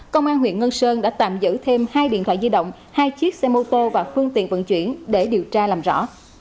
công an huyện ngân sơn đã tạm giữ thêm hai điện thoại di động hai chiếc xe mô tô và phương tiện vận chuyển để điều tra làm rõ